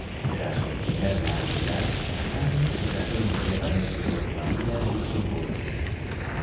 Tras obtener la nulidad, Carlos se casó inmediatamente con María de Luxemburgo.